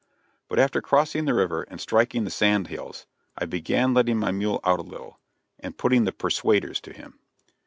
But after crossing the river and striking the sand hills, I began letting my mule out a little, and putting the "persuaders" to him.